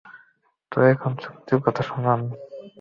তো, এখন চুক্তির কথা শুনুন।